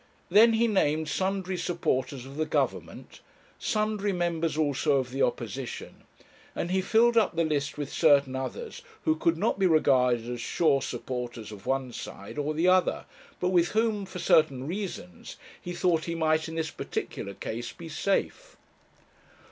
Then he named sundry supporters of the Government, sundry members also of the opposition; and he filled up the list with certain others who could not be regarded as sure supporters of one side or the other, but with whom, for certain reasons, he thought he might in this particular case be safe.